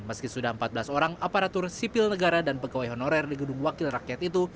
meski sudah empat belas orang aparatur sipil negara dan pegawai honorer di gedung wakil rakyat itu